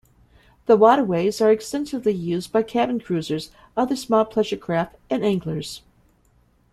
The waterways are extensively used by cabin cruisers, other small pleasure craft and anglers.